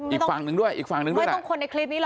อีกฝั่งหนึ่งด้วยอีกฝั่งหนึ่งด้วยไม่ต้องคนในคลิปนี้เหรอ